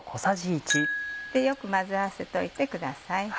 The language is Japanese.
よく混ぜ合わせておいてください。